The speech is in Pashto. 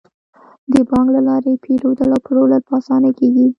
د بانک له لارې پيرودل او پلورل په اسانۍ کیږي.